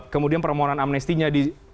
kemudian permohonan amnestinya